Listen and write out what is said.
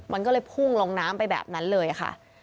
มันก็เลยพุ่งลงน้ำไปแบบนั้นเลยค่ะ